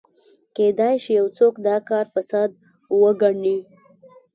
کېدای شي یو څوک دا کار فساد وګڼي.